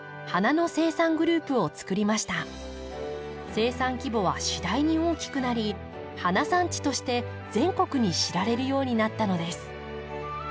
生産規模は次第に大きくなり花産地として全国に知られるようになったのです。